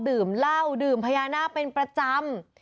ดื่มเล่าเดิมพญานาคก์เป็นประจำ